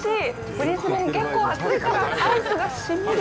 ブリスベン、結構暑いからアイスがしみる。